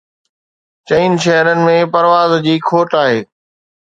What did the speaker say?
چئن شهرن ۾ پروازن جي کوٽ آهي